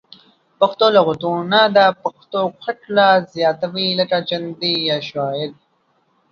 پښتو لغتونه د پښتو ښکلا زیاتوي لکه چندي یا شاعر